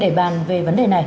để bàn về vấn đề này